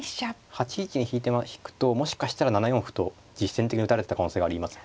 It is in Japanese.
８一に引くともしかしたら７四歩と実戦的に打たれてた可能性があります。